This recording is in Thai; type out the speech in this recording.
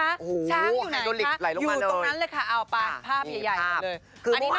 ช้างอยู่ไหนคะอยู่ตรงนั้นเลยค่ะเอาไปภาพใหญ่เลยคือเมื่อวานเขา